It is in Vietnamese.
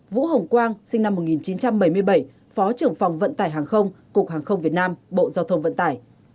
vũ hồng quang sinh năm một nghìn chín trăm bảy mươi bảy phó trưởng phòng vận tải hàng không cục hàng không việt nam bộ giao thông vận tải